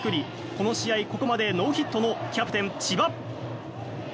この試合、ここまでノーヒットのキャプテン、千葉。